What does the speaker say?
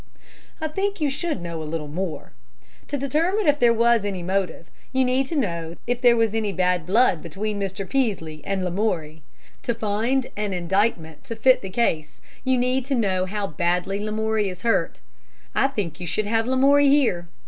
"I think you should know a little more. To determine if there was any motive, you need to know if there was any bad blood between Mr. Peaslee and Lamoury; to find an indictment to fit the case you need to know how badly Lamoury is hurt. I think you should have Lamoury here.